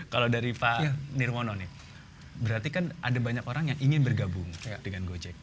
kalau dari pak nirwono nih berarti kan ada banyak orang yang ingin bergabung dengan gojek